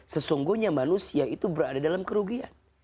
sesungguhnya manusia itu berada dalam kerugian